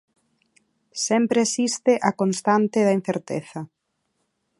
Sempre existe a constante da incerteza.